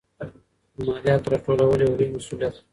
د مالیاتو راټولول یو لوی مسوولیت دی.